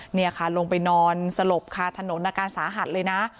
นี่ค่ะลงไปนอนสลบคาถนนอาการสาหัสเลยนะ